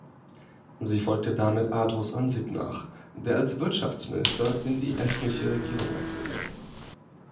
Sie folgte damit Andrus Ansip nach, der als Wirtschaftsminister in die estnische Regierung wechselte.